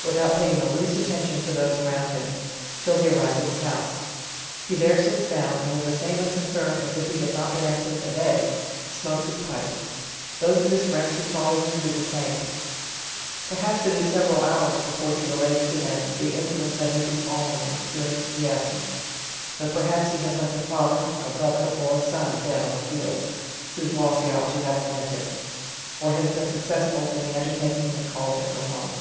49 without paying the least attention to those around him, till he arrives at his house: He there sits down, and with the same unconcern as if ho had not been absent a day, smokes his pipe; those of his friends who followed him, do the same; perhaps it is several hours before he relaies to them the in cidents that have b. fallen him during the abscence, though perhaps ho has left a father, a brother, or a son dead on the field, (whose loss he ought to have lamented) or has been successful in the undertaking that called him from home.